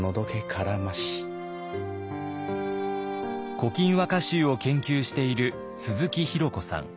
「古今和歌集」を研究している鈴木宏子さん。